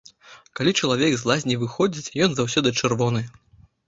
Калі чалавек з лазні выходзіць, ён заўсёды чырвоны.